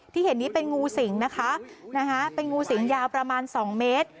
ที่เห็นนี้เป็นงูสิงนะคะเป็นงูสิงยาวประมาณ๒เมตร